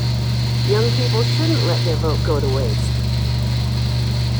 Young people shouldn't let their vote go to waste.